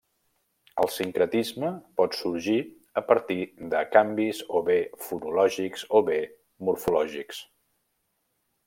El sincretisme pot sorgir a partir de canvis o bé fonològics o bé morfològics.